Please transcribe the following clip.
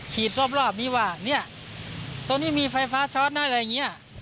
รอบนี้ว่าเนี่ยตรงนี้มีไฟฟ้าช็อตนะอะไรอย่างนี้